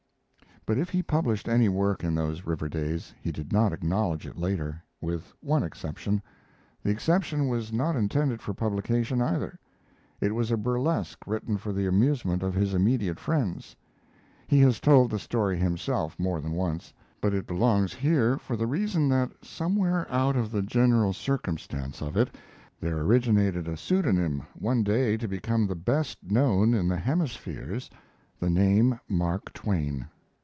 But if he published any work in those river days he did not acknowledge it later with one exception. The exception was not intended for publication, either. It was a burlesque written for the amusement of his immediate friends. He has told the story himself, more than once, but it belongs here for the reason that some where out of the general circumstance of it there originated a pseudonym, one day to become the best known in the hemispheres the name Mark Twain.